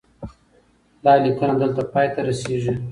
دا لیکنه دلته پای ته رسیږي.